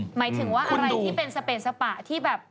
หมายถึงว่าอะไรที่เป็นสเปดสปะที่แบบ